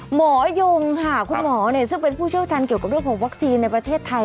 หมอยงค่ะคุณหมอซึ่งเป็นผู้เชี่ยวชาญเกี่ยวกับเรื่องของวัคซีนในประเทศไทย